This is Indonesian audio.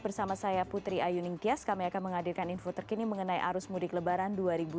bersama saya putri ayu ningtyas kami akan menghadirkan info terkini mengenai arus mudik lebaran dua ribu dua puluh